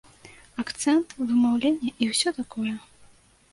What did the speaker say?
Акцэнт, вымаўленне і ўсё такое.